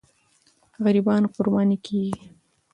غریبان قرباني کېږي.